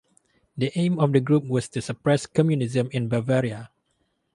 The aim of the group was to suppress Communism in Bavaria.